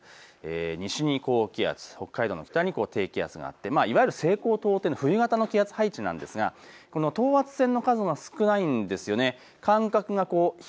西に高気圧、北海道の北に低気圧があっていわゆる西高東低の冬型の気圧配置なんですがこの等圧線の数が少ないんですよね。